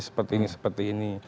seperti ini seperti ini